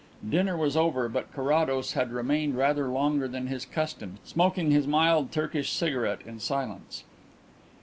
Dinner was over but Carrados had remained rather longer than his custom, smoking his mild Turkish cigarette in silence.